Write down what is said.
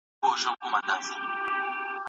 دلته جنګ شته دلته مرګ دلته اجل شته